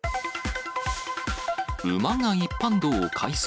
馬が一般道を快走。